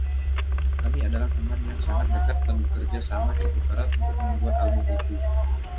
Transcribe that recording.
Kami adalah teman yang sangat dekat dan bekerja sama cukup erat untuk membuat album itu.